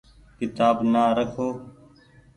ڪيتآب نآ رکو ۔